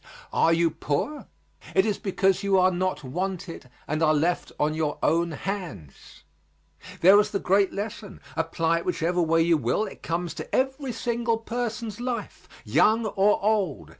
Are you poor? It is because you are not wanted and are left on your own hands. There was the great lesson. Apply it whichever way you will it comes to every single person's life, young or old.